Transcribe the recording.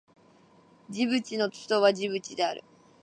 ジブチの首都はジブチである